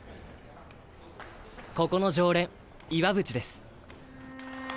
ここの常連岩渕です。